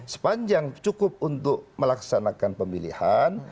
sepanjang cukup untuk melaksanakan pemilihan